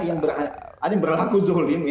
bahwa ada yang berlaku zulim